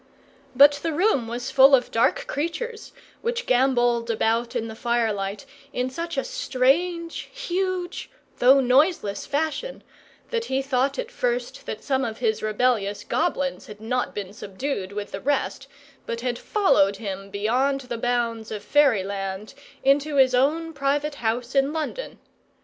But the room was full of dark creatures, which gambolled about in the firelight in such a strange, huge, though noiseless fashion, that he thought at first that some of his rebellious goblins had not been subdued with the rest, but had followed him beyond the bounds of Fairyland into his own private house in London.